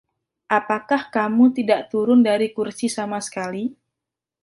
Apakah kamu tidak turun dari kursi sama sekali?